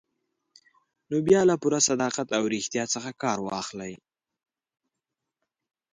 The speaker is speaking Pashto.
نو باید له پوره صداقت او ریښتیا څخه کار واخلئ.